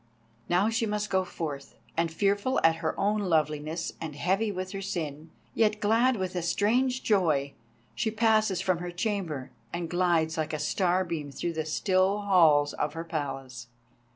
Now she must go forth, and fearful at her own loveliness and heavy with her sin, yet glad with a strange joy, she passes from her chamber and glides like a starbeam through the still halls of her Palace.